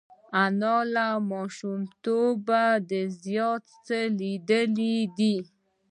انا له ماشومتوبه زیات څه لیدلي دي